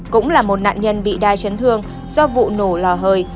cũng là một nạn nhân bị đa chấn thương do vụ nổ lò hơi